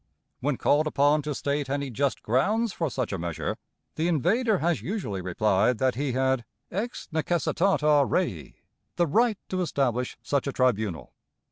When called upon to state any just grounds for such a measure, the invader has usually replied that he had, ex necessitate rei, the right to establish such a tribunal.